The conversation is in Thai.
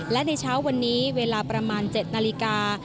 และในเช้าวันนี้เวลาประมาณ๗นาฬิกา